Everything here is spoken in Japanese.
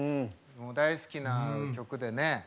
もう大好きな曲でね。